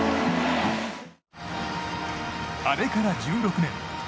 あれから１６年。